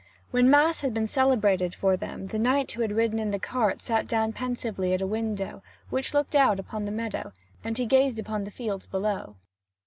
When Mass had been celebrated for them, the knight who had ridden in the cart sat down pensively at a window, which looked out upon the meadow, and he gazed upon the fields below.